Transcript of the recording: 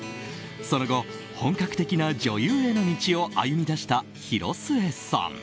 その後、本格的な女優への道を歩みだした広末さん。